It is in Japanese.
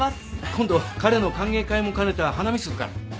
今度彼の歓迎会も兼ねた花見するから。